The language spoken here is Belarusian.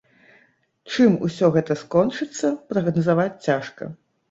Чым усё гэта скончыцца, прагназаваць цяжка.